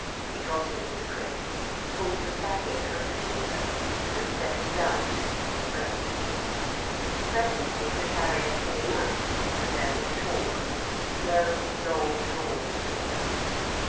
He got into the crate, pulled the sacking over himself, and settled down to eat his bread. Presently the carrier came out, and there was talk, slow, long drawn talk.